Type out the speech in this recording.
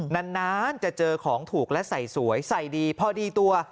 นานจะเจอของถูกและใส่สวยใส่ดีพอดีตัว